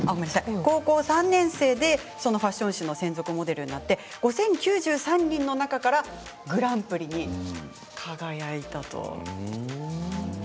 高校３年生でファッション誌の専属モデルになって５０９３人の中からグランプリに輝いたということです。